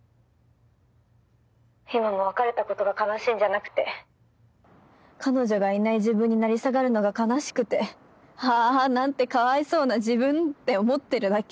今も別れたことが悲しいんじゃなくて彼女がいない自分に成り下がるのが悲しくて「あぁ何てかわいそうな自分」って思ってるだけ。